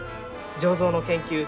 醸造の研究